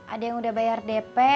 ada yang udah bayar dp